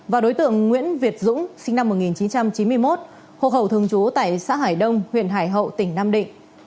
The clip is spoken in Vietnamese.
và đối tượng nguyễn việt dũng sinh năm một nghìn chín trăm chín mươi một hộ khẩu thường trú tại xã hải đông huyện hải hậu tỉnh nam định